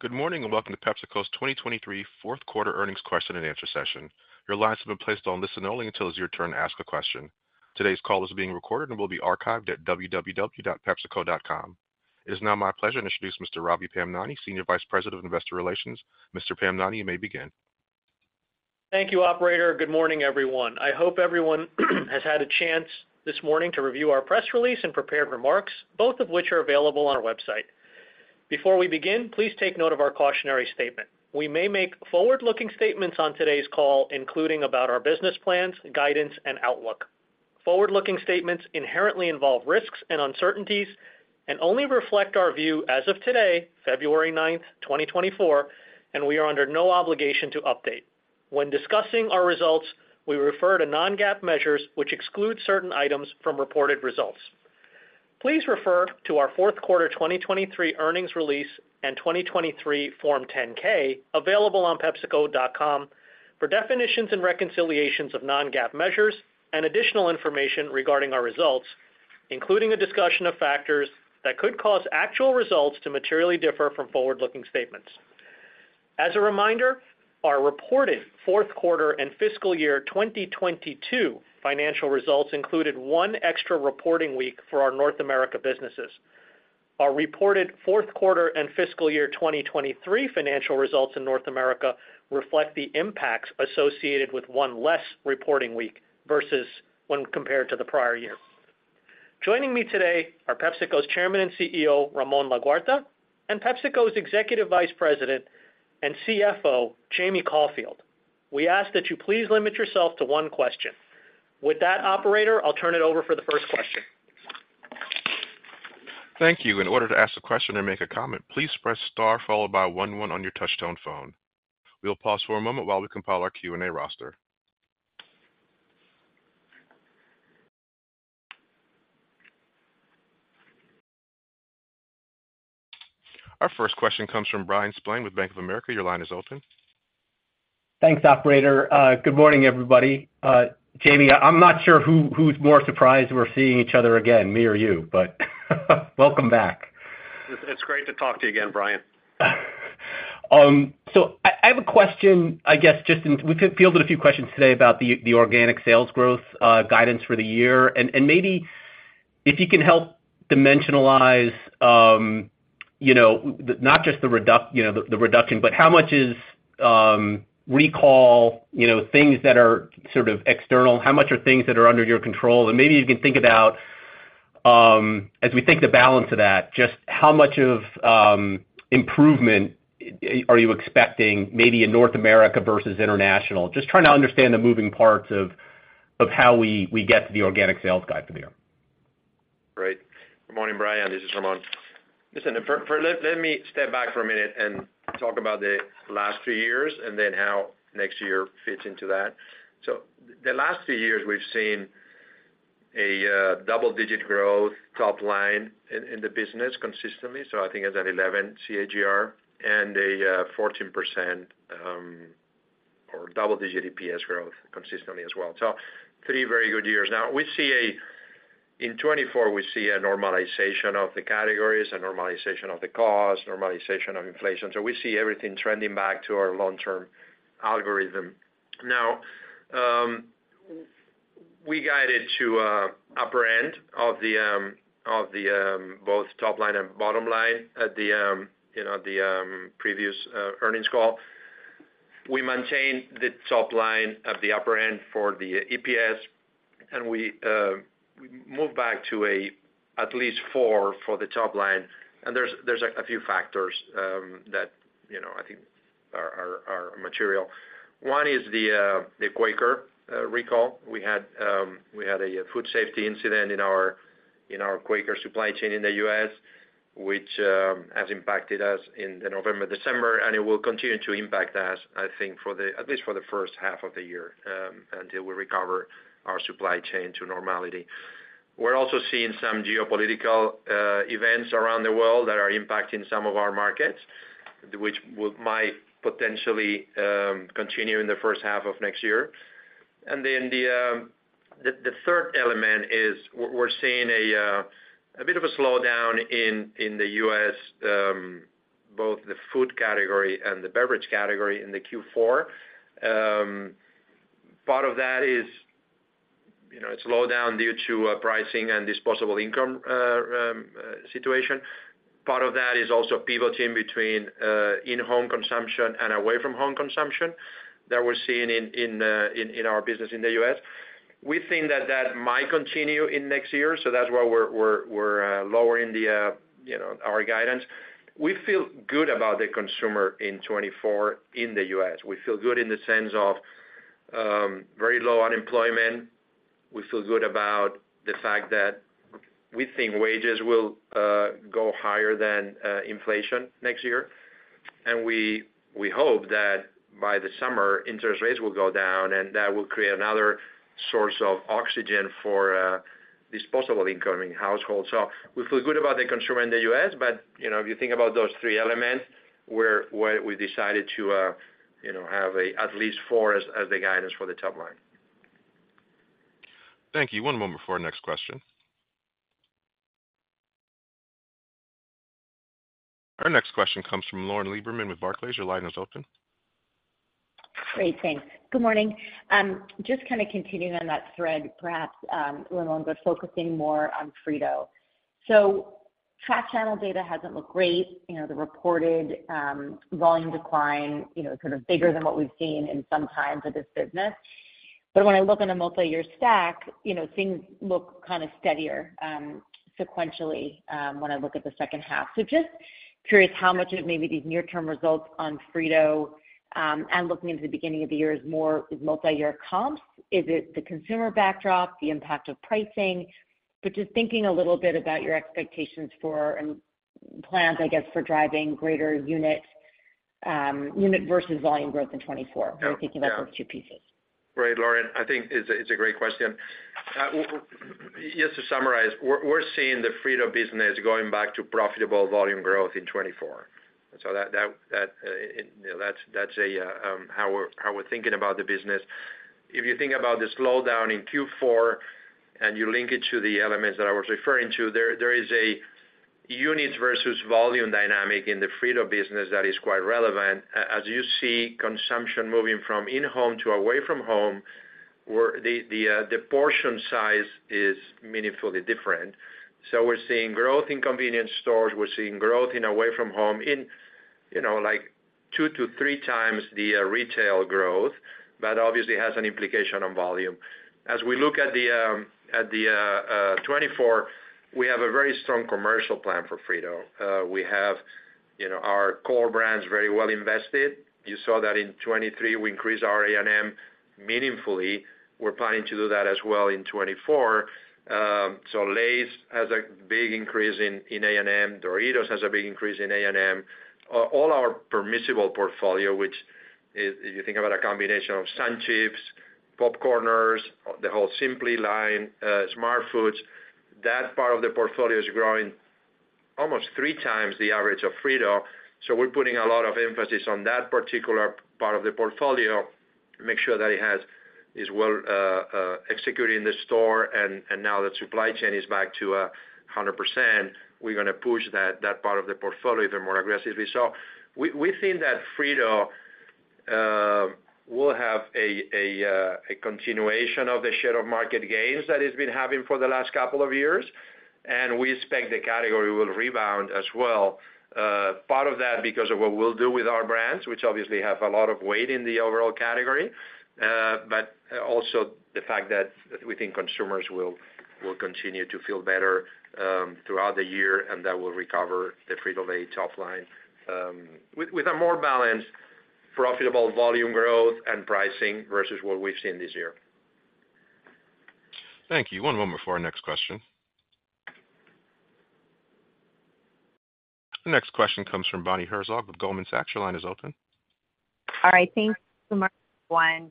Good morning and welcome to PepsiCo's 2023 fourth quarter earnings question-and-answer session. Your lines have been placed on listen only until it's your turn to ask a question. Today's call is being recorded and will be archived at www.pepsico.com. It is now my pleasure to introduce Mr. Ravi Pamnani, Senior Vice President of Investor Relations. Mr. Pamnani, you may begin. Thank you, operator. Good morning, everyone. I hope everyone has had a chance this morning to review our press release and prepared remarks, both of which are available on our website. Before we begin, please take note of our cautionary statement: we may make forward-looking statements on today's call, including about our business plans, guidance, and outlook. Forward-looking statements inherently involve risks and uncertainties and only reflect our view as of today, February 9, 2024, and we are under no obligation to update. When discussing our results, we refer to non-GAAP measures which exclude certain items from reported results. Please refer to our fourth quarter 2023 earnings release and 2023 Form 10-K available on pepsico.com for definitions and reconciliations of non-GAAP measures and additional information regarding our results, including a discussion of factors that could cause actual results to materially differ from forward-looking statements. As a reminder, our reported fourth quarter and fiscal year 2022 financial results included one extra reporting week for our North America businesses. Our reported fourth quarter and fiscal year 2023 financial results in North America reflect the impacts associated with one less reporting week versus when compared to the prior year. Joining me today are PepsiCo's Chairman and CEO Ramon Laguarta and PepsiCo's Executive Vice President and CFO Jamie Caulfield. We ask that you please limit yourself to one question. With that, operator, I'll turn it over for the first question. Thank you. In order to ask a question or make a comment, please press star followed by 11 on your touch-tone phone. We'll pause for a moment while we compile our Q&A roster. Our first question comes from Bryan Spillane with Bank of America. Your line is open. Thanks, operator. Good morning, everybody. Jamie, I'm not sure who's more surprised we're seeing each other again, me or you, but welcome back. It's great to talk to you again, Bryan. So I have a question, I guess, just we've fielded a few questions today about the organic sales growth guidance for the year. And maybe if you can help dimensionalize not just the reduction, but how much is recall, things that are sort of external, how much are things that are under your control? And maybe you can think about, as we think the balance of that, just how much of improvement are you expecting maybe in North America versus international? Just trying to understand the moving parts of how we get to the organic sales guide for the year. Great. Good morning, Bryan. This is Ramon. Listen, let me step back for a minute and talk about the last three years and then how next year fits into that. So the last three years, we've seen a double-digit growth top line in the business consistently, so I think it's an 11 CAGR, and a 14% or double-digit EPS growth consistently as well. So three very good years. Now, in 2024, we see a normalization of the categories, a normalization of the cost, normalization of inflation. So we see everything trending back to our long-term algorithm. Now, we guided to upper end of both top line and bottom line at the previous earnings call. We maintained the top line at the upper end for the EPS, and we moved back to at least 4 for the top line. And there's a few factors that I think are material. One is the Quaker recall. We had a food safety incident in our Quaker supply chain in the U.S., which has impacted us in the November, December, and it will continue to impact us, I think, at least for the first half of the year until we recover our supply chain to normality. We're also seeing some geopolitical events around the world that are impacting some of our markets, which might potentially continue in the first half of next year. And then the third element is we're seeing a bit of a slowdown in the U.S., both the food category and the beverage category, in the Q4. Part of that is a slowdown due to pricing and disposable income situation. Part of that is also a pivoting between in-home consumption and away-from-home consumption that we're seeing in our business in the U.S. We think that that might continue in next year, so that's why we're lowering our guidance. We feel good about the consumer in 2024 in the U.S. We feel good in the sense of very low unemployment. We feel good about the fact that we think wages will go higher than inflation next year. We hope that by the summer, interest rates will go down, and that will create another source of oxygen for disposable income in households. We feel good about the consumer in the U.S., but if you think about those three elements, we decided to have at least 4 as the guidance for the top line. Thank you. One moment for our next question. Our next question comes from Lauren Lieberman with Barclays. Your line is open. Great, thanks. Good morning. Just kind of continuing on that thread, perhaps, Ramon, but focusing more on Frito. So flat-channel data hasn't looked great. The reported volume decline is sort of bigger than what we've seen in some times of this business. But when I look on a multi-year stack, things look kind of steadier sequentially when I look at the second half. So just curious how much of maybe these near-term results on Frito and looking into the beginning of the year is more multi-year comps. Is it the consumer backdrop, the impact of pricing? But just thinking a little bit about your expectations for and plans, I guess, for driving greater unit-versus-volume growth in 2024, thinking about those two pieces. Great, Lauren. I think it's a great question. Just to summarize, we're seeing the Frito business going back to profitable volume growth in 2024. So that's how we're thinking about the business. If you think about the slowdown in Q4 and you link it to the elements that I was referring to, there is a units-versus-volume dynamic in the Frito business that is quite relevant. As you see consumption moving from in-home to away-from-home, the portion size is meaningfully different. So we're seeing growth in convenience stores. We're seeing growth in away-from-home in two to three times the retail growth, but obviously has an implication on volume. As we look at the 2024, we have a very strong commercial plan for Frito. We have our core brands very well invested. You saw that in 2023, we increased our A&M meaningfully. We're planning to do that as well in 2024. So Lay's has a big increase in A&M. Doritos has a big increase in A&M. All our permissible portfolio, which is, if you think about a combination of SunChips, PopCorners, the whole Simply line, Smartfood, that part of the portfolio is growing almost three times the average of Frito. So we're putting a lot of emphasis on that particular part of the portfolio, make sure that it is well executed in the store, and now that supply chain is back to 100%, we're going to push that part of the portfolio even more aggressively. So we think that Frito will have a continuation of the share of market gains that it's been having for the last couple of years, and we expect the category will rebound as well. Part of that because of what we'll do with our brands, which obviously have a lot of weight in the overall category, but also the fact that we think consumers will continue to feel better throughout the year, and that will recover the Frito top line with a more balanced profitable volume growth and pricing versus what we've seen this year. Thank you. One moment for our next question. The next question comes from Bonnie Herzog with Goldman Sachs. Your line is open. All right. Thanks so much, everyone.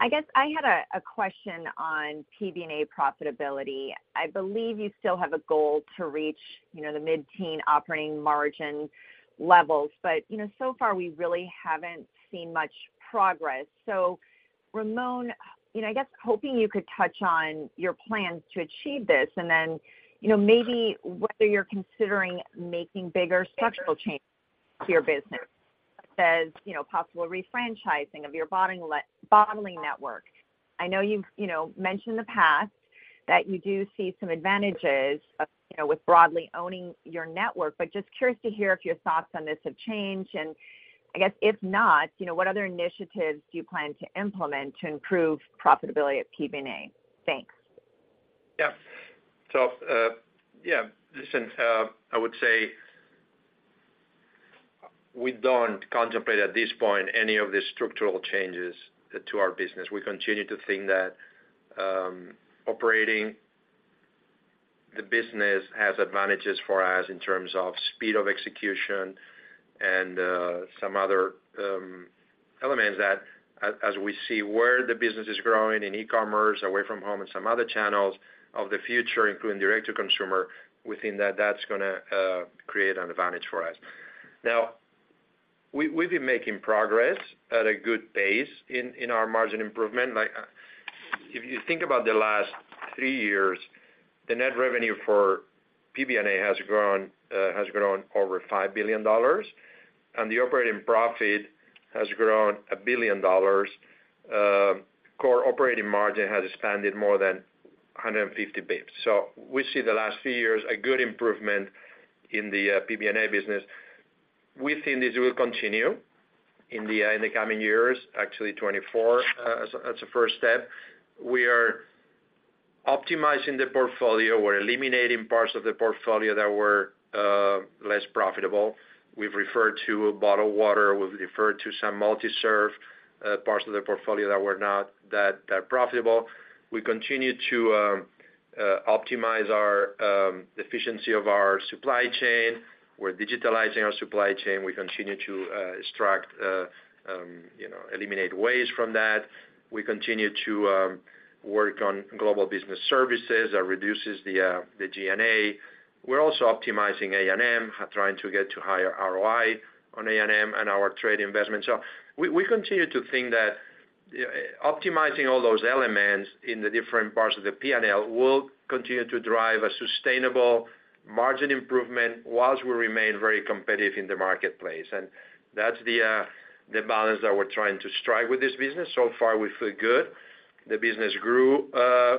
I guess I had a question on PBNA profitability. I believe you still have a goal to reach the mid-teen operating margin levels, but so far, we really haven't seen much progress. So, Ramon, I guess hoping you could touch on your plans to achieve this and then maybe whether you're considering making bigger structural changes to your business, such as possible refranchising of your bottling network. I know you've mentioned in the past that you do see some advantages with broadly owning your network, but just curious to hear if your thoughts on this have changed. And I guess if not, what other initiatives do you plan to implement to improve profitability at PBNA? Thanks. Yeah. So yeah, listen, I would say we don't contemplate at this point any of the structural changes to our business. We continue to think that operating the business has advantages for us in terms of speed of execution and some other elements that, as we see where the business is growing in e-commerce, away-from-home, and some other channels of the future, including direct-to-consumer, we think that that's going to create an advantage for us. Now, we've been making progress at a good pace in our margin improvement. If you think about the last three years, the net revenue for PBNA has grown over $5 billion, and the operating profit has grown $1 billion. Core operating margin has expanded more than 150 basis points. So we see the last few years a good improvement in the PBNA business. We think this will continue in the coming years, actually 2024 as a first step. We are optimizing the portfolio. We're eliminating parts of the portfolio that were less profitable. We've referred to bottled water. We've referred to some multi-serve parts of the portfolio that were not that profitable. We continue to optimize the efficiency of our supply chain. We're digitalizing our supply chain. We continue to extract, eliminate waste from that. We continue to work on global business services that reduces the G&A. We're also optimizing A&M, trying to get to higher ROI on A&M and our trade investments. So we continue to think that optimizing all those elements in the different parts of the P&L will continue to drive a sustainable margin improvement while we remain very competitive in the marketplace. And that's the balance that we're trying to strike with this business. So far, we feel good. The business grew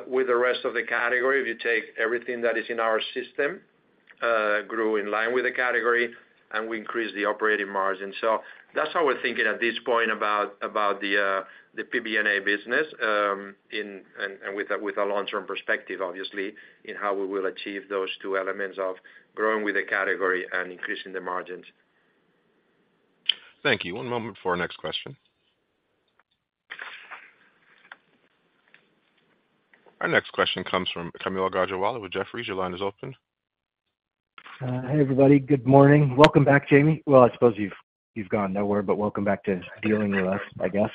with the rest of the category. If you take everything that is in our system, grew in line with the category, and we increased the operating margin. So that's how we're thinking at this point about the PBNA business and with a long-term perspective, obviously, in how we will achieve those two elements of growing with the category and increasing the margins. Thank you. One moment for our next question. Our next question comes from Kaumil Gajrawala with Jefferies. Your line is open. Hey, everybody. Good morning. Welcome back, Jamie. Well, I suppose you've gone nowhere, but welcome back to dealing with us, I guess.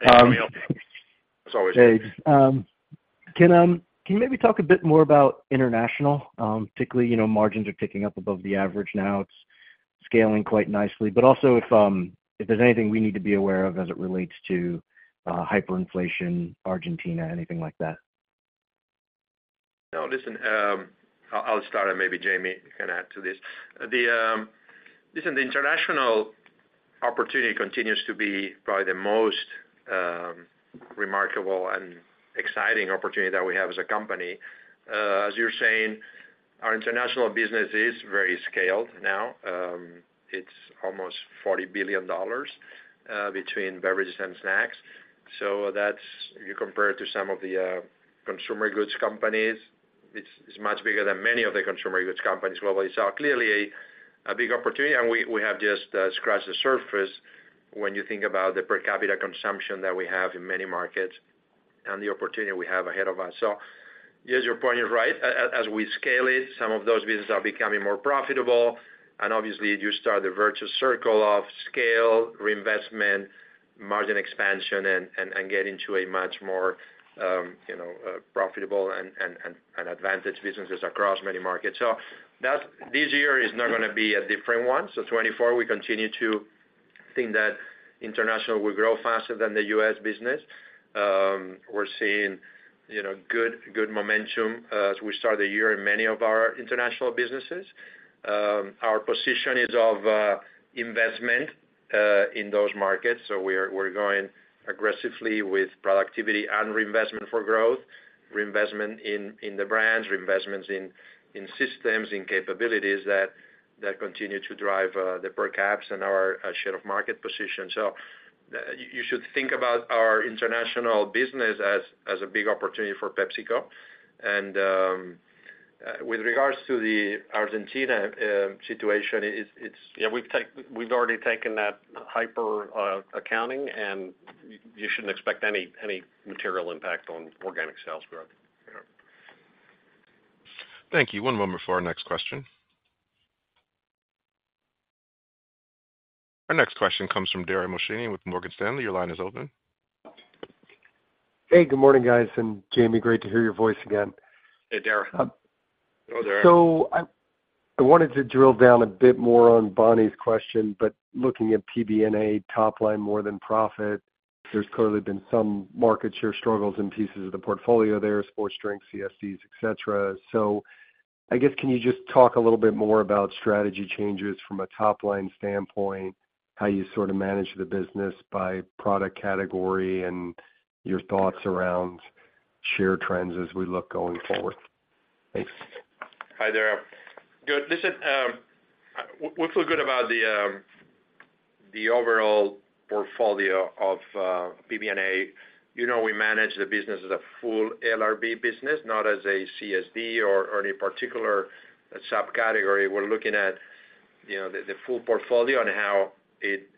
It's always good. Hey, can you maybe talk a bit more about international? Particularly, margins are picking up above the average now. It's scaling quite nicely. But also, if there's anything we need to be aware of as it relates to hyperinflation, Argentina, anything like that? No, listen, I'll start and maybe Jamie can add to this. Listen, the international opportunity continues to be probably the most remarkable and exciting opportunity that we have as a company. As you're saying, our international business is very scaled now. It's almost $40 billion between beverages and snacks. So if you compare it to some of the consumer goods companies, it's much bigger than many of the consumer goods companies globally. So clearly, a big opportunity, and we have just scratched the surface when you think about the per capita consumption that we have in many markets and the opportunity we have ahead of us. So yes, your point is right. As we scale it, some of those businesses are becoming more profitable. And obviously, you start the virtuous circle of scale, reinvestment, margin expansion, and getting to a much more profitable and advantaged businesses across many markets. This year is not going to be a different one. 2024, we continue to think that internationally, we grow faster than the U.S. business. We're seeing good momentum as we start the year in many of our international businesses. Our position is of investment in those markets. We're going aggressively with productivity and reinvestment for growth, reinvestment in the brands, reinvestments in systems, in capabilities that continue to drive the per caps and our share of market position. You should think about our international business as a big opportunity for PepsiCo. With regards to the Argentina situation, it's. Yeah, we've already taken that hyperinflation accounting, and you shouldn't expect any material impact on organic sales growth. Yeah. Thank you. One moment for our next question. Our next question comes from Dara Mohsenian with Morgan Stanley. Your line is open. Hey, good morning, guys. I'm Jamie. Great to hear your voice again. Hey, Dara. Oh, Dara. So I wanted to drill down a bit more on Bonnie's question, but looking at PBNA top line more than profit, there's clearly been some market share struggles in pieces of the portfolio there: sports drinks, CSDs, etc. So I guess can you just talk a little bit more about strategy changes from a top-line standpoint, how you sort of manage the business by product category, and your thoughts around share trends as we look going forward? Thanks. Hi, Dara. Good. Listen, we feel good about the overall portfolio of PBNA. We manage the business as a full LRB business, not as a CSD or any particular subcategory. We're looking at the full portfolio and how it's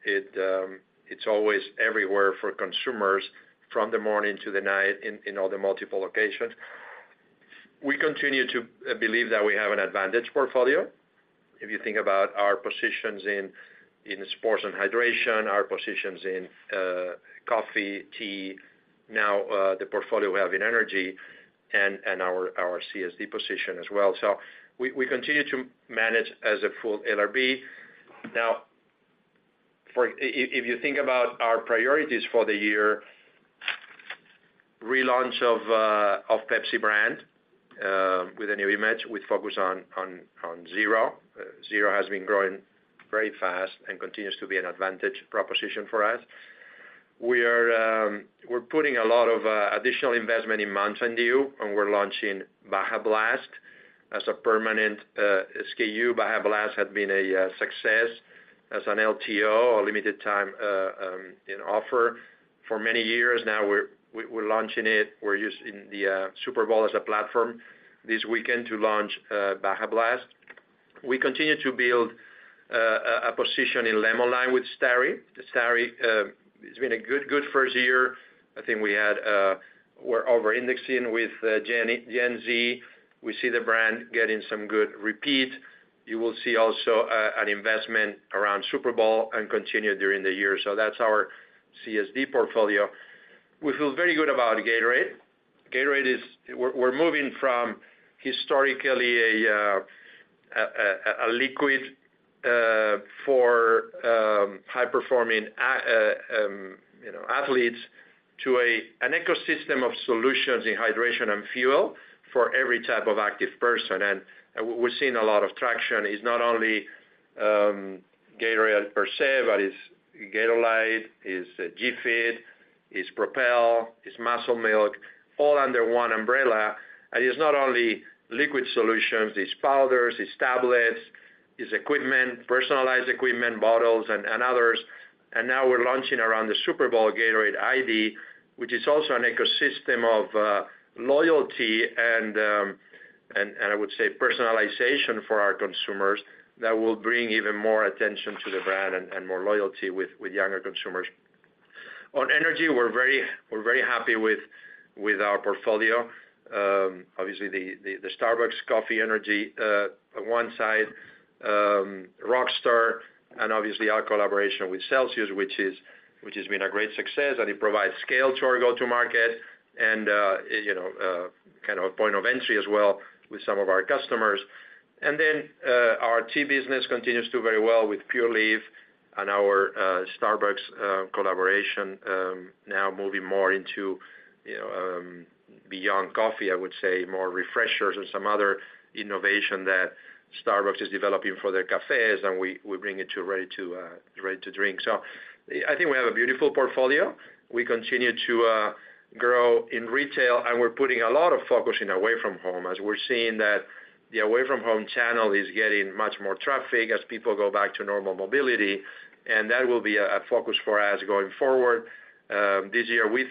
always everywhere for consumers from the morning to the night in all the multiple locations. We continue to believe that we have an advantaged portfolio. If you think about our positions in sports and hydration, our positions in coffee, tea, now the portfolio we have in energy, and our CSD position as well. So we continue to manage as a full LRB. Now, if you think about our priorities for the year, relaunch of Pepsi brand with a new image, we focus on Zero. Zero has been growing very fast and continues to be an advantage proposition for us. We're putting a lot of additional investment in Mountain Dew, and we're launching Baja Blast as a permanent SKU. Baja Blast had been a success as an LTO, a limited-time offer for many years. Now, we're launching it. We're using the Super Bowl as a platform this weekend to launch Baja Blast. We continue to build a position in Lemon-Lime with Starry. Starry, it's been a good first year. I think we were over-indexing with Gen Z. We see the brand getting some good repeat. You will see also an investment around Super Bowl and continue during the year. So that's our CSD portfolio. We feel very good about Gatorade. We're moving from historically a liquid for high-performing athletes to an ecosystem of solutions in hydration and fuel for every type of active person. We're seeing a lot of traction. It's not only Gatorade per se, but it's Gatorlyte, it's G-Fit, it's Propel, it's Muscle Milk, all under one umbrella. And it's not only liquid solutions. It's powders. It's tablets. It's equipment, personalized equipment, bottles, and others. And now, we're launching around the Super Bowl Gatorade iD, which is also an ecosystem of loyalty and, I would say, personalization for our consumers that will bring even more attention to the brand and more loyalty with younger consumers. On energy, we're very happy with our portfolio. Obviously, the Starbucks Coffee Energy on one side, Rockstar, and obviously, our collaboration with Celsius, which has been a great success. And it provides scale to our go-to-market and kind of a point of entry as well with some of our customers. And then our tea business continues to do very well with Pure Leaf and our Starbucks collaboration now moving more beyond coffee, I would say, more refreshers and some other innovation that Starbucks is developing for their cafés, and we bring it ready to drink. So I think we have a beautiful portfolio. We continue to grow in retail, and we're putting a lot of focus in away-from-home as we're seeing that the away-from-home channel is getting much more traffic as people go back to normal mobility. And that will be a focus for us going forward. This year, we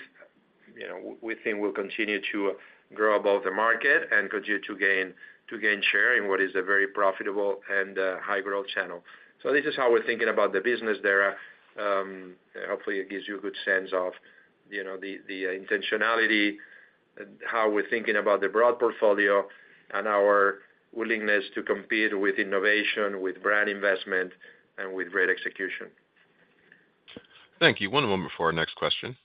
think we'll continue to grow above the market and continue to gain share in what is a very profitable and high-growth channel. So this is how we're thinking about the business, Dara. Hopefully, it gives you a good sense of the intentionality, how we're thinking about the broad portfolio, and our willingness to compete with innovation, with brand investment, and with great execution. Thank you. One moment for our next question.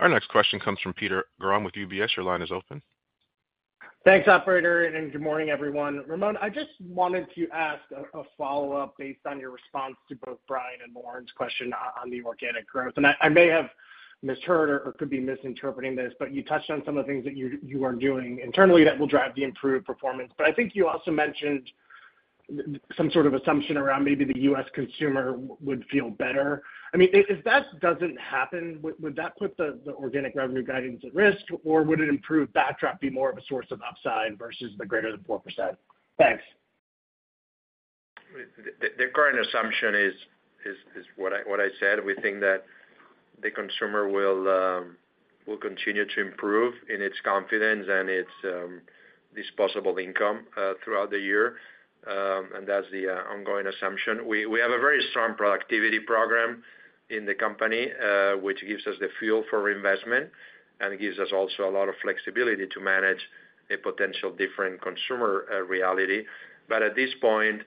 Our next question comes from Peter Grom with UBS. Your line is open. Thanks, operator, and good morning, everyone. Ramon, I just wanted to ask a follow-up based on your response to both Bryan and Lauren's question on the organic growth. I may have misheard or could be misinterpreting this, but you touched on some of the things that you are doing internally that will drive the improved performance. I think you also mentioned some sort of assumption around maybe the U.S. consumer would feel better. I mean, if that doesn't happen, would that put the organic revenue guidance at risk, or would it improve backtrack be more of a source of upside versus the greater than 4%? Thanks. The current assumption is what I said. We think that the consumer will continue to improve in its confidence and its disposable income throughout the year. And that's the ongoing assumption. We have a very strong productivity program in the company, which gives us the fuel for investment and gives us also a lot of flexibility to manage a potential different consumer reality. But at this point,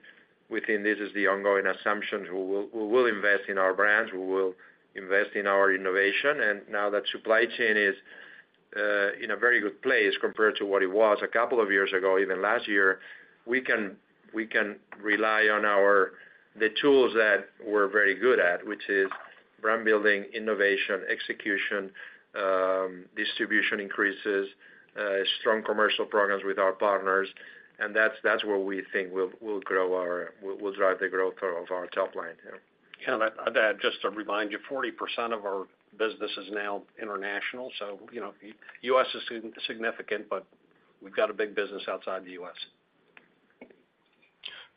we think this is the ongoing assumption: we will invest in our brands. We will invest in our innovation. And now that supply chain is in a very good place compared to what it was a couple of years ago, even last year, we can rely on the tools that we're very good at, which is brand building, innovation, execution, distribution increases, strong commercial programs with our partners. That's where we think we'll drive the growth of our top line. Yeah. I'd add, just to remind you, 40% of our business is now international. So US is significant, but we've got a big business outside the US.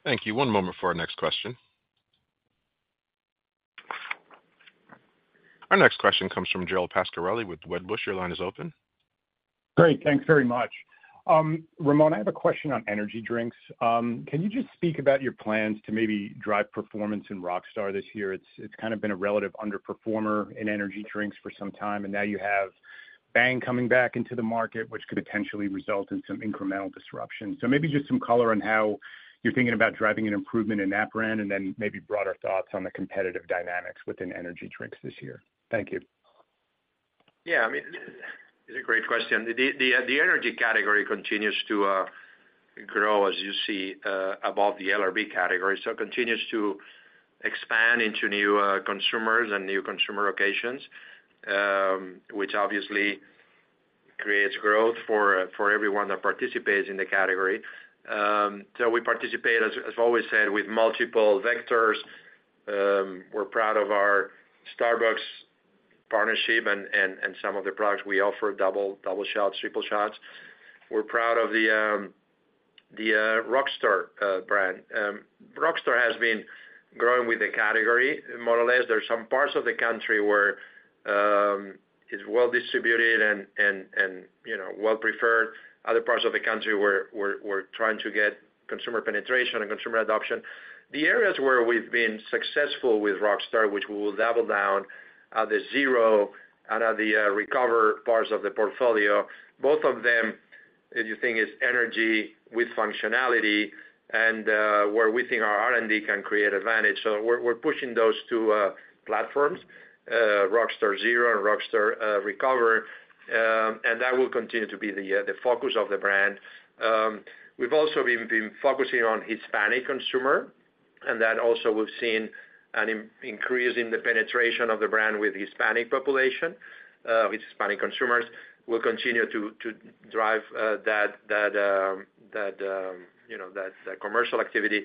Thank you. One moment for our next question. Our next question comes from Gerald Pascarelli with Wedbush. Your line is open. Great. Thanks very much. Ramon, I have a question on energy drinks. Can you just speak about your plans to maybe drive performance in Rockstar this year? It's kind of been a relative underperformer in energy drinks for some time, and now you have Bang coming back into the market, which could potentially result in some incremental disruption. So maybe just some color on how you're thinking about driving an improvement in that brand and then maybe broader thoughts on the competitive dynamics within energy drinks this year. Thank you. Yeah. I mean, it's a great question. The energy category continues to grow, as you see, above the LRB category. So it continues to expand into new consumers and new consumer locations, which obviously creates growth for everyone that participates in the category. So we participate, as always said, with multiple vectors. We're proud of our Starbucks partnership and some of the products we offer: Doubleshots, Tripleshots. We're proud of the Rockstar brand. Rockstar has been growing with the category, more or less. There are some parts of the country where it's well-distributed and well-preferred. Other parts of the country, we're trying to get consumer penetration and consumer adoption. The areas where we've been successful with Rockstar, which we will double down at the Zero and at the Recover parts of the portfolio, both of them, if you think, is energy with functionality and where we think our R&D can create advantage. We're pushing those two platforms, Rockstar Zero and Rockstar Recover. That will continue to be the focus of the brand. We've also been focusing on Hispanic consumer. Then also, we've seen an increase in the penetration of the brand with Hispanic population. Hispanic consumers will continue to drive that commercial activity.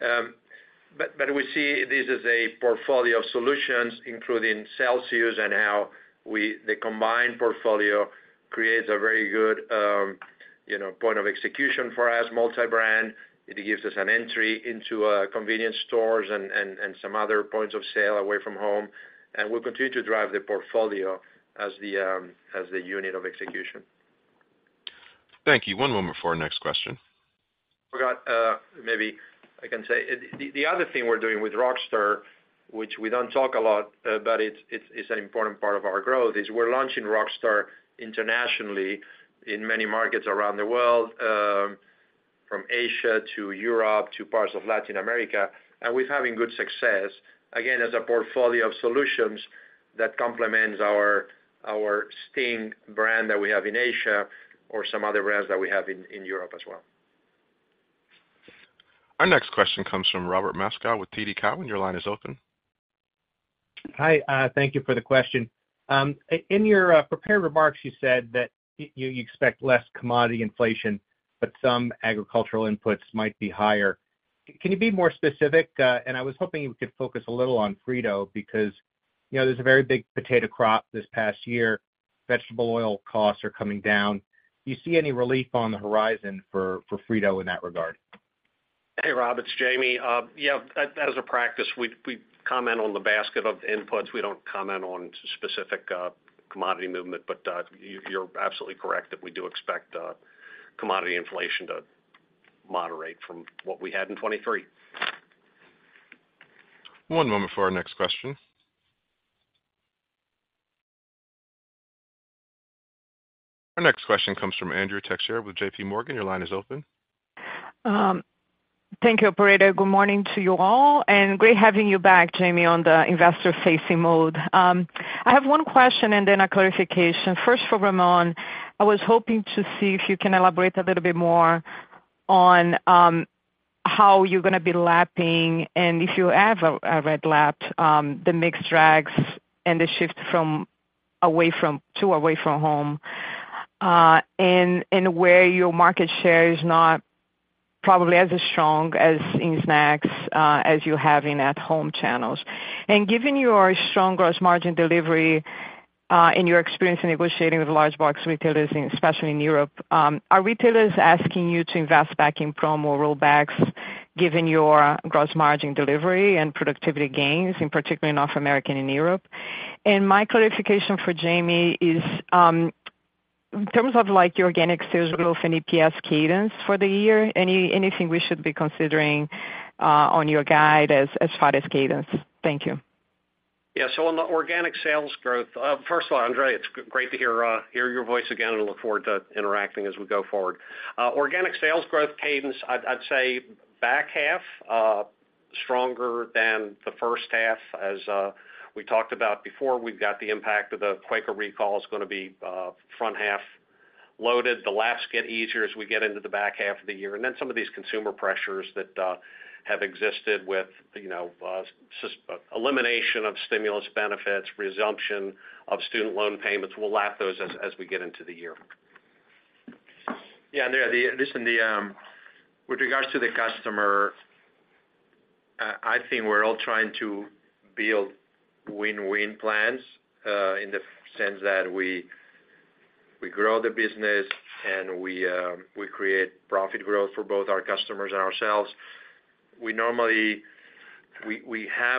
But we see this as a portfolio of solutions, including Celsius, and how the combined portfolio creates a very good point of execution for us, multi-brand. It gives us an entry into convenience stores and some other points of sale away from home. We'll continue to drive the portfolio as the unit of execution. Thank you. One moment for our next question. Forgot maybe I can say the other thing we're doing with Rockstar, which we don't talk a lot, but it's an important part of our growth, is we're launching Rockstar internationally in many markets around the world, from Asia to Europe to parts of Latin America. And we're having good success, again, as a portfolio of solutions that complements our Sting brand that we have in Asia or some other brands that we have in Europe as well. Our next question comes from Robert Moskow with TD Cowen. Your line is open. Hi. Thank you for the question. In your prepared remarks, you said that you expect less commodity inflation, but some agricultural inputs might be higher. Can you be more specific? And I was hoping you could focus a little on Frito because there's a very big potato crop this past year. Vegetable oil costs are coming down. Do you see any relief on the horizon for Frito in that regard? Hey, Rob. It's Jamie. Yeah, as a practice, we comment on the basket of inputs. We don't comment on specific commodity movement. But you're absolutely correct that we do expect commodity inflation to moderate from what we had in 2023. One moment for our next question. Our next question comes from Andrea Teixeira with J.P. Morgan. Your line is open. Thank you, operator. Good morning to you all, and great having you back, Jamie, on the investor-facing mode. I have one question and then a clarification. First, for Ramon, I was hoping to see if you can elaborate a little bit more on how you're going to be lapping and if you have a red lap, the mix drags and the shift to away-from-home, and where your market share is not probably as strong as in snacks as you have in at-home channels. And given your strong gross margin delivery and your experience in negotiating with large box retailers, especially in Europe, are retailers asking you to invest back in promo rollbacks given your gross margin delivery and productivity gains, in particular in North America and in Europe? My clarification for Jamie is, in terms of your organic sales growth and EPS cadence for the year, anything we should be considering on your guide as far as cadence? Thank you. Yeah. So on the organic sales growth, first of all, Andrea, it's great to hear your voice again and look forward to interacting as we go forward. Organic sales growth cadence, I'd say back half, stronger than the first half. As we talked about before, we've got the impact of the Quaker recall is going to be front half loaded. The laps get easier as we get into the back half of the year. And then some of these consumer pressures that have existed with elimination of stimulus benefits, resumption of student loan payments, we'll lap those as we get into the year. Yeah. And listen, with regards to the customer, I think we're all trying to build win-win plans in the sense that we grow the business and we create profit growth for both our customers and ourselves. We have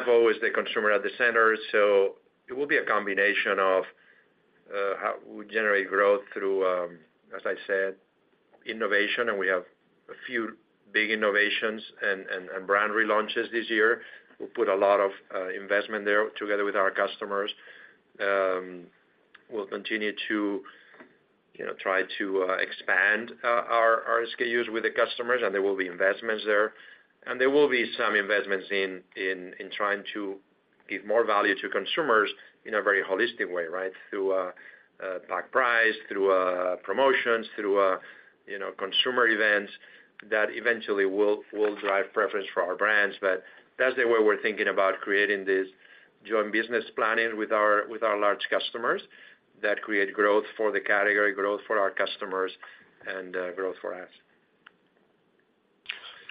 always the consumer at the center. So it will be a combination of how we generate growth through, as I said, innovation. And we have a few big innovations and brand relaunches this year. We'll put a lot of investment there together with our customers. We'll continue to try to expand our SKUs with the customers, and there will be investments there. And there will be some investments in trying to give more value to consumers in a very holistic way, right, through pack-price, through promotions, through consumer events that eventually will drive preference for our brands. That's the way we're thinking about creating this joint business planning with our large customers that create growth for the category, growth for our customers, and growth for us.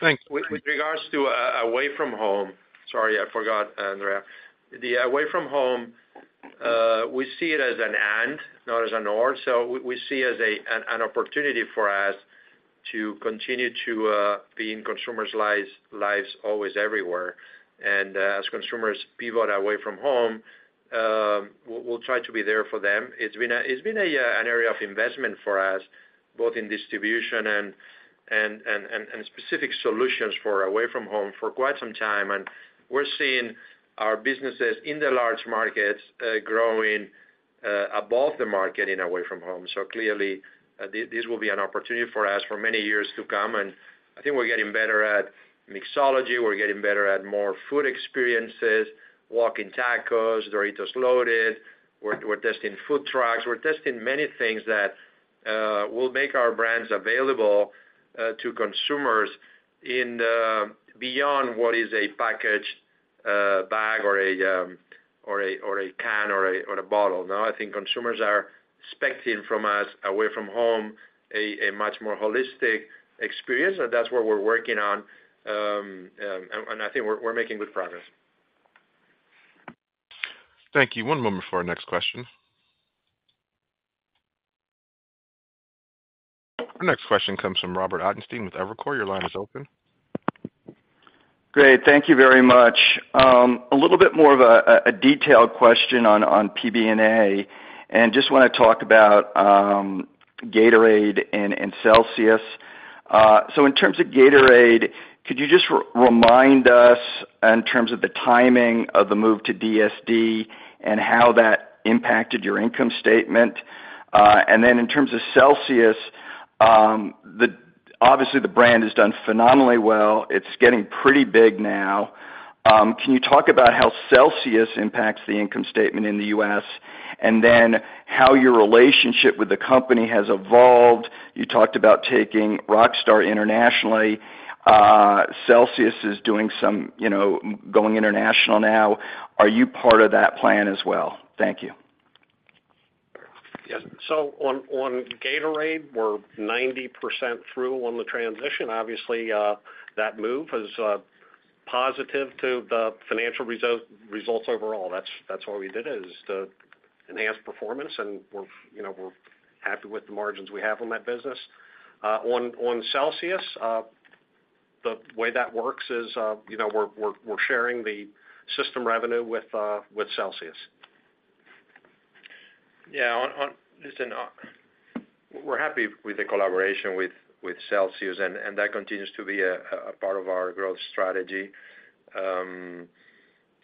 Thanks. With regards to away-from-home, sorry, I forgot, Andrea. The away-from-home, we see it as an and, not as an or. So we see it as an opportunity for us to continue to be in consumers' lives always, everywhere. And as consumers pivot away from home, we'll try to be there for them. It's been an area of investment for us, both in distribution and specific solutions for away-from-home for quite some time. And we're seeing our businesses in the large markets growing above the market in away-from-home. So clearly, this will be an opportunity for us for many years to come. And I think we're getting better at mixology. We're getting better at more food experiences, walking tacos, Doritos loaded. We're testing food trucks. We're testing many things that will make our brands available to consumers beyond what is a packaged bag or a can or a bottle. Now, I think consumers are expecting from us, away-from-home, a much more holistic experience. That's what we're working on. I think we're making good progress. Thank you. One moment for our next question. Our next question comes from Robert Ottenstein with Evercore. Your line is open. Great. Thank you very much. A little bit more of a detailed question on PBNA. And just want to talk about Gatorade and Celsius. So in terms of Gatorade, could you just remind us in terms of the timing of the move to DSD and how that impacted your income statement? And then in terms of Celsius, obviously, the brand has done phenomenally well. It's getting pretty big now. Can you talk about how Celsius impacts the income statement in the U.S. and then how your relationship with the company has evolved? You talked about taking Rockstar internationally. Celsius is going international now. Are you part of that plan as well? Thank you. Yes. So on Gatorade, we're 90% through on the transition. Obviously, that move is positive to the financial results overall. That's why we did it, is to enhance performance. And we're happy with the margins we have on that business. On Celsius, the way that works is we're sharing the system revenue with Celsius. Yeah. Listen, we're happy with the collaboration with Celsius, and that continues to be a part of our growth strategy.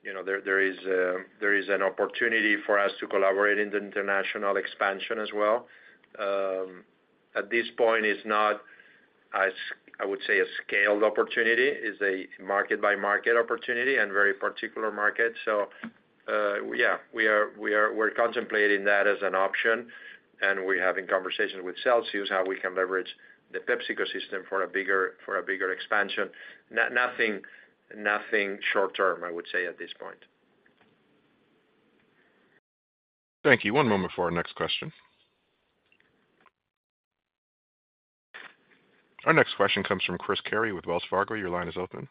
There is an opportunity for us to collaborate in the international expansion as well. At this point, it's not, I would say, a scaled opportunity. It's a market-by-market opportunity and very particular market. So yeah, we're contemplating that as an option. We're having conversations with Celsius, how we can leverage the PepsiCo system for a bigger expansion. Nothing short-term, I would say, at this point. Thank you. One moment for our next question. Our next question comes from Chris Carey with Wells Fargo. Your line is open.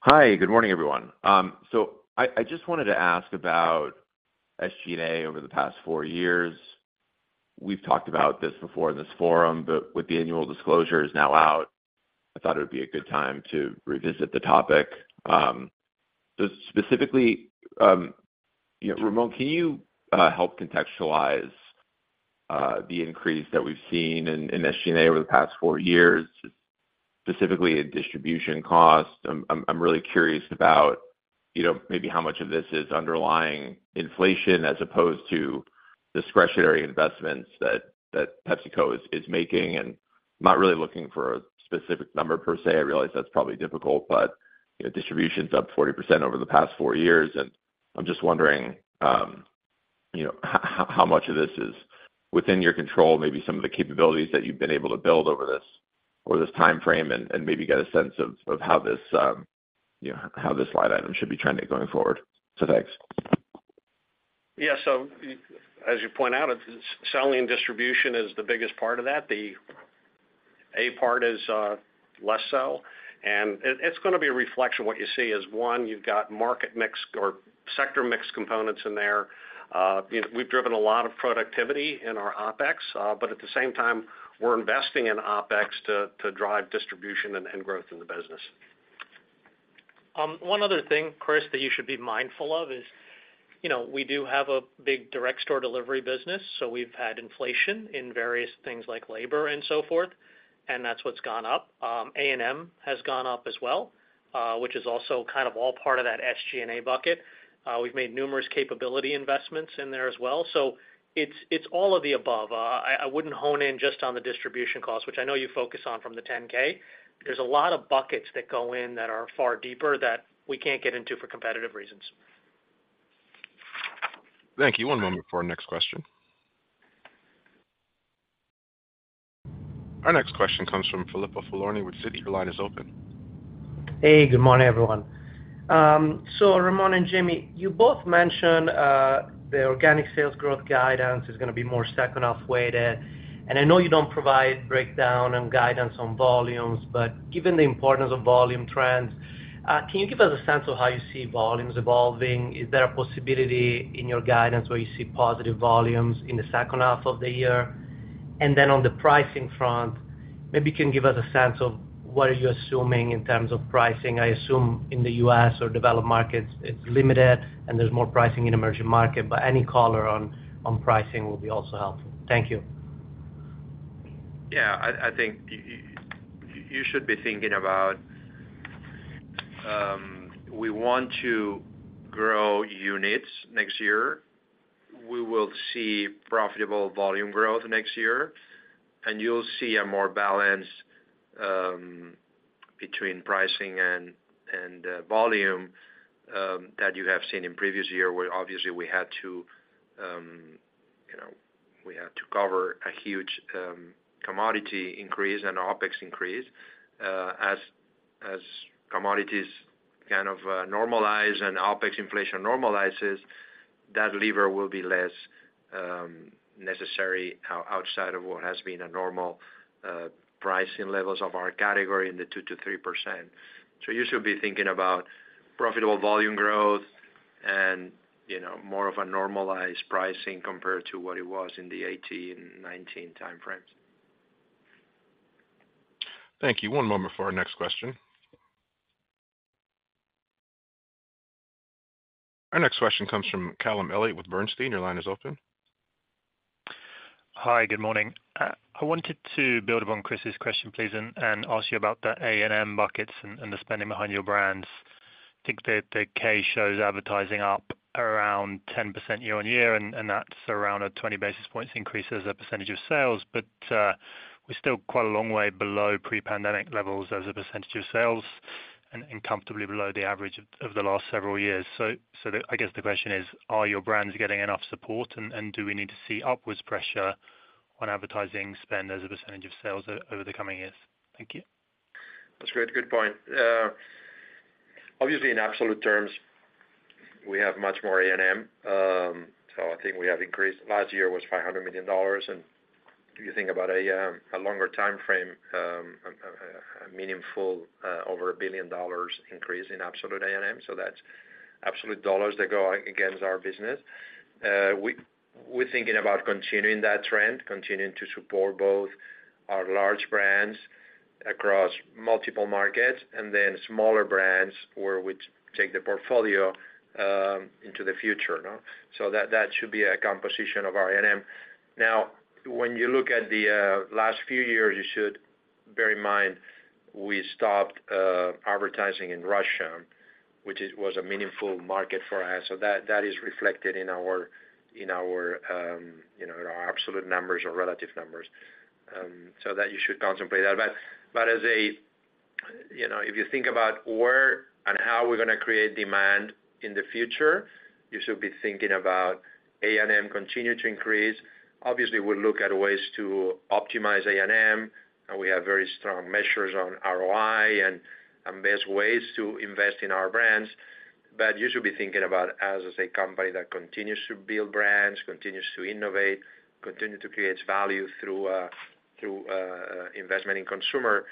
Hi. Good morning, everyone. So I just wanted to ask about SG&A over the past four years. We've talked about this before in this forum, but with the annual disclosure is now out, I thought it would be a good time to revisit the topic. So specifically, Ramon, can you help contextualize the increase that we've seen in SG&A over the past four years, specifically in distribution cost? I'm really curious about maybe how much of this is underlying inflation as opposed to discretionary investments that PepsiCo is making. And I'm not really looking for a specific number, per se. I realize that's probably difficult, but distribution's up 40% over the past four years. I'm just wondering how much of this is within your control, maybe some of the capabilities that you've been able to build over this timeframe and maybe get a sense of how this line item should be trending going forward. So thanks. Yeah. So as you point out, selling and distribution is the biggest part of that. The A part is less sell. And it's going to be a reflection of what you see is, one, you've got market mix or sector mix components in there. We've driven a lot of productivity in our OPEX. But at the same time, we're investing in OPEX to drive distribution and growth in the business. One other thing, Chris, that you should be mindful of is we do have a big direct store delivery business. So we've had inflation in various things like labor and so forth. And that's what's gone up. A&M has gone up as well, which is also kind of all part of that SG&A bucket. We've made numerous capability investments in there as well. So it's all of the above. I wouldn't hone in just on the distribution cost, which I know you focus on from the 10K. There's a lot of buckets that go in that are far deeper that we can't get into for competitive reasons. Thank you. One moment for our next question. Our next question comes from Filippo Falorni with Citi. Your line is open. Hey. Good morning, everyone. So Ramon and Jamie, you both mentioned the organic sales growth guidance is going to be more second-half weighted. And I know you don't provide breakdown and guidance on volumes, but given the importance of volume trends, can you give us a sense of how you see volumes evolving? Is there a possibility in your guidance where you see positive volumes in the second half of the year? And then on the pricing front, maybe you can give us a sense of what are you assuming in terms of pricing? I assume in the U.S. or developed markets, it's limited, and there's more pricing in emerging markets. But any color on pricing will be also helpful. Thank you. Yeah. I think you should be thinking about we want to grow units next year. We will see profitable volume growth next year. And you'll see a more balance between pricing and volume that you have seen in previous year where, obviously, we had to cover a huge commodity increase and OPEX increase. As commodities kind of normalize and OPEX inflation normalizes, that lever will be less necessary outside of what has been a normal pricing levels of our category in the 2%-3%. So you should be thinking about profitable volume growth and more of a normalized pricing compared to what it was in the 2018 and 2019 timeframes. Thank you. One moment for our next question. Our next question comes from Callum Elliott with Bernstein. Your line is open. Hi. Good morning. I wanted to build upon Chris's question, please, and ask you about the A&M buckets and the spending behind your brands. I think the 10-K shows advertising up around 10% year-on-year, and that's around a 20 basis points increase as a percentage of sales. But we're still quite a long way below pre-pandemic levels as a percentage of sales and comfortably below the average of the last several years. So I guess the question is, are your brands getting enough support, and do we need to see upwards pressure on advertising spend as a percentage of sales over the coming years? Thank you. That's a great, good point. Obviously, in absolute terms, we have much more A&M. So I think we have increased last year was $500 million. And if you think about a longer timeframe, a meaningful over $1 billion increase in absolute A&M. So that's absolute dollars that go against our business. We're thinking about continuing that trend, continuing to support both our large brands across multiple markets and then smaller brands where we take the portfolio into the future. So that should be a composition of our A&M. Now, when you look at the last few years, you should bear in mind we stopped advertising in Russia, which was a meaningful market for us. So that is reflected in our absolute numbers or relative numbers. So you should contemplate that. But as if you think about where and how we're going to create demand in the future, you should be thinking about A&M continuing to increase. Obviously, we'll look at ways to optimize A&M. And we have very strong measures on ROI and best ways to invest in our brands. But you should be thinking about us as a company that continues to build brands, continues to innovate, continues to create value through investment in consumer.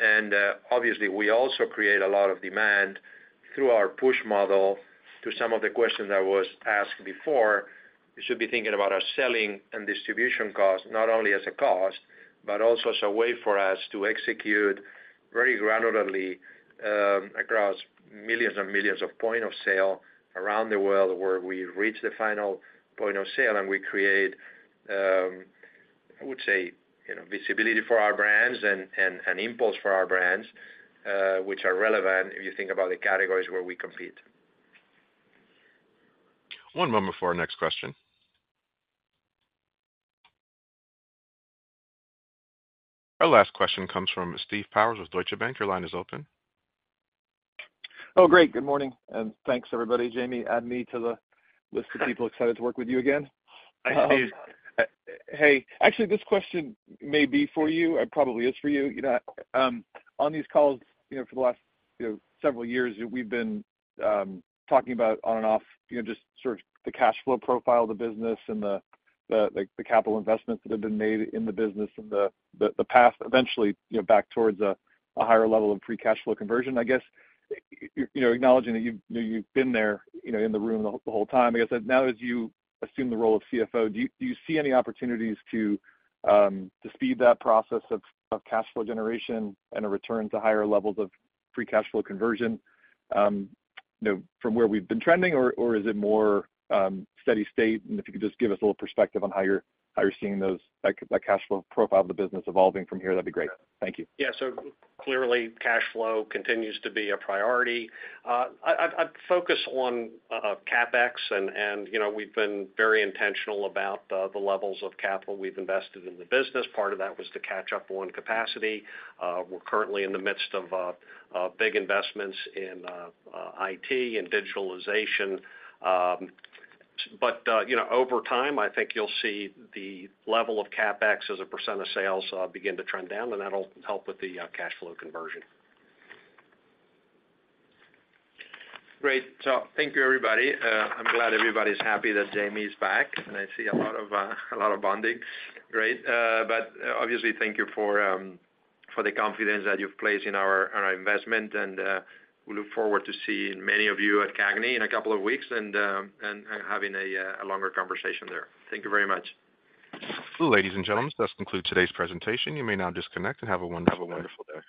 And obviously, we also create a lot of demand through our push model. To some of the questions that was asked before, you should be thinking about our selling and distribution costs, not only as a cost but also as a way for us to execute very granularly across millions and millions of points of sale around the world where we reach the final point of sale, and we create, I would say, visibility for our brands and impulse for our brands, which are relevant if you think about the categories where we compete. One moment for our next question. Our last question comes from Steve Powers with Deutsche Bank. Your line is open. Oh, great. Good morning. Thanks, everybody. Jamie, add me to the list of people excited to work with you again. Hi, Steve. Hey. Actually, this question may be for you. It probably is for you. On these calls for the last several years, we've been talking about on and off just sort of the cash flow profile of the business and the capital investments that have been made in the business in the past, eventually back towards a higher level of free cash flow conversion. I guess acknowledging that you've been there in the room the whole time, I guess now as you assume the role of CFO, do you see any opportunities to speed that process of cash flow generation and a return to higher levels of free cash flow conversion from where we've been trending, or is it more steady state? And if you could just give us a little perspective on how you're seeing that cash flow profile of the business evolving from here, that'd be great. Thank you. Yeah. So clearly, cash flow continues to be a priority. I focus on CapEx, and we've been very intentional about the levels of capital we've invested in the business. Part of that was to catch up on capacity. We're currently in the midst of big investments in IT and digitalization. But over time, I think you'll see the level of CapEx as a % of sales begin to trend down, and that'll help with the cash flow conversion. Great. So thank you, everybody. I'm glad everybody's happy that Jamie's back, and I see a lot of bonding. Great. But obviously, thank you for the confidence that you've placed in our investment. And we look forward to seeing many of you at CAGNY in a couple of weeks and having a longer conversation there. Thank you very much. Ladies and gentlemen, this concludes today's presentation. You may now disconnect and have a wonderful day.